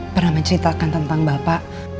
pernah menceritakan tentang bapak